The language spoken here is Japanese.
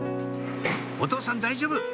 お父さん大丈夫！